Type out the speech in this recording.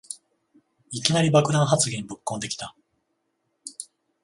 いきなり爆弾発言ぶっこんできた